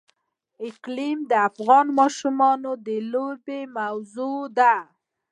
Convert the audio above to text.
اقلیم د افغان ماشومانو د لوبو موضوع ده.